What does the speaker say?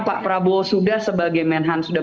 pak prabowo sudah sebagai men hunt sudah